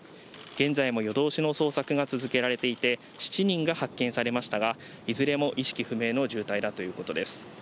現在も夜通しの捜索が続けられていて、７人が発見されましたが、いずれも意識不明の重体だということです。